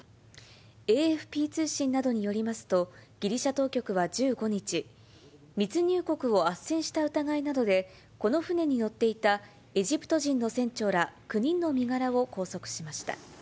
ＡＦＰ通信などによりますと、ギリシャ当局は１５日、密入国をあっせんした疑いなどで、この船に乗っていたエジプト人の船長ら９人の身柄を拘束しました。